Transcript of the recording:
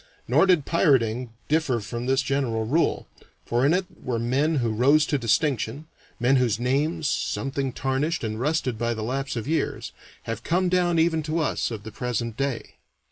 Nor did pirating differ from this general rule, for in it were men who rose to distinction, men whose names, something tarnished and rusted by the lapse of years, have come down even to us of the present day.